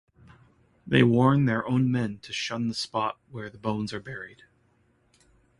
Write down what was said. They warn their own men to shun the spot where the bones are buried.